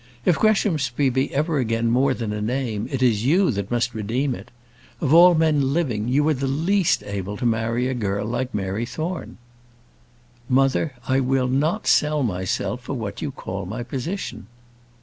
If Greshamsbury be ever again more than a name, it is you that must redeem it. Of all men living you are the least able to marry a girl like Mary Thorne." "Mother, I will not sell myself for what you call my position."